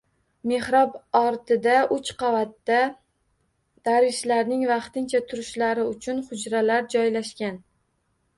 Mehrob ortida uch qavatda darvishlarning vaqtincha turishlari uchun xujralar joylashgan